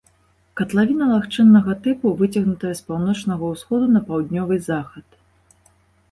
Катлавіна лагчыннага тыпу, выцягнутая з паўночнага ўсходу на паўднёвы захад.